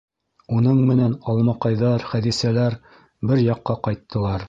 Уның менән Алмаҡайҙар, Хәҙисәләр бер яҡҡа ҡайттылар.